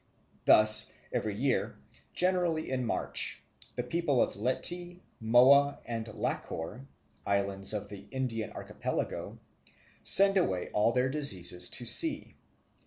Thus every year, generally in March, the people of Leti, Moa, and Lakor, islands of the Indian Archipelago, send away all their diseases to sea.